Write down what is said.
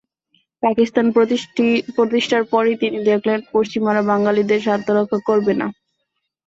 পাকিস্তান প্রতিষ্ঠার পরই তিনি দেখলেন, পশ্চিমারা বাঙালিদের স্বার্থ রক্ষা করবে না।